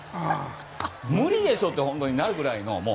無理でしょってなるぐらいの。